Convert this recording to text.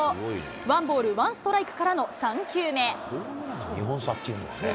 ワンボールワンストライクからの３球目。